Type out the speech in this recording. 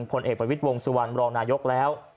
ผลเอกประวิทย์วงสุวรรณรองนายกแล้ว